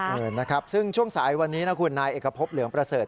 เออนะครับซึ่งช่วงสายวันนี้นะคุณนายเอกพบเหลืองประเสริฐ